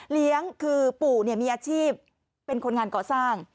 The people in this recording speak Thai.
เลี้ยงคือปู่มีอาชีพเป็นคนงานก่อสร้าง